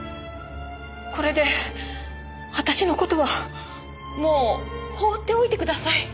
これで私の事はもう放っておいてください。